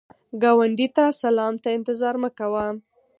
ګاونډي ته سلام ته انتظار مه کوه